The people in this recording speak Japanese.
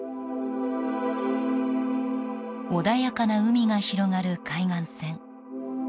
穏やかな海が広がる海岸線。